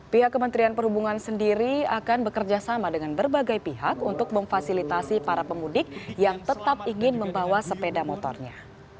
pihak kementerian perhubungan sendiri akan bekerjasama dengan berbagai pihak untuk memfasilitasi para pemudik yang tetap ingin membawa sepeda motornya